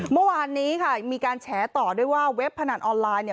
เมื่อวานนี้ค่ะมีการแฉต่อด้วยว่าเว็บพนันออนไลน์